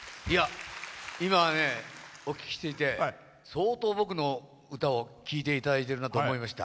今ね、お聴きしていて相当、僕の歌を聴いていただいてるなと思いました。